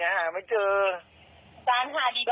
ถ้าเรานึกแล้วไปไหนหาไม่เจอ